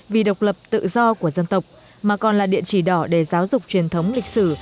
vì độc lập tự do của dân tộc mà còn là địa chỉ đỏ để giáo dục truyền thống lịch sử